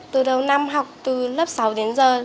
từ đầu năm học từ lớp sáu đến giờ